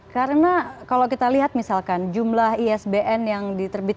karena kalau kita lihat misalkan jumlah isbn yang ada di dalam buku